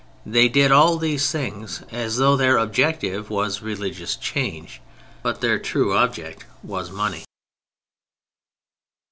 They did all these things as though their object was religious change. But their true object was money.